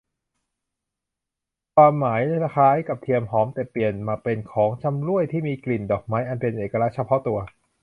ความหมายคล้ายกับเทียนหอม แต่เปลี่ยนมาเป็นของชำร่วยที่มีกลิ่นดอกไม้อันเป็นเอกลักษณ์เฉพาะตัว